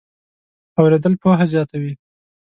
اورېدل پوهه زیاتوي.